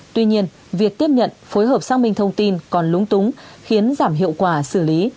tuy nhiên việc tiếp nhận phối hợp xác minh thông tin còn lúng túng khiến giảm hiệu quả xử lý